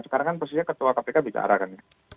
sekarang kan persisnya ketua kpk bicara kan